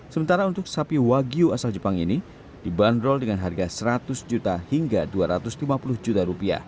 sementara untuk sapi wagyu asal jepang ini dibanderol dengan harga rp seratus juta hingga rp dua ratus lima puluh juta